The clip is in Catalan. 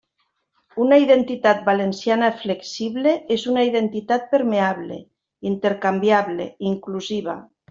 Una identitat valenciana flexible és una identitat permeable, intercanviable, inclusiva.